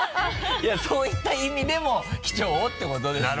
いやそういった意味でも貴重ってことですよ。